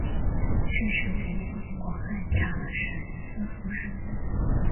仕至湖广按察使司副使。